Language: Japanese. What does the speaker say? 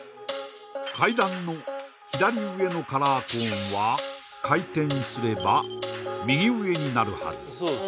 階段の左上のカラーコーンは回転すれば右上になるはず